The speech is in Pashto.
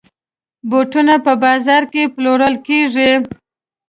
بوټونه په بازاز کې پلورل کېږي.